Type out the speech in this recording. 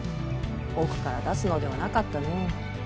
奥から出すのではなかったの。